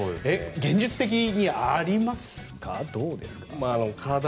現実的にありますかどうですか。